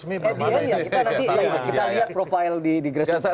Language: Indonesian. di akhirnya kita nanti lihat profil di gresik